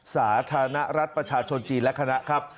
สาธารณรัฐประชาชนจีนและคณะครับ